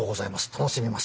楽しみます。